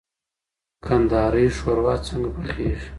کندهاری ښوروا څنګه پخېږي؟